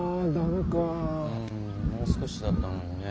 んもう少しだったのにね。